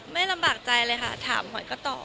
ไม่ลำบากใจเลยค่ะถามขวัญก็ตอบ